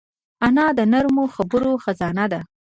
انا د نرمو خبرو خزانه ده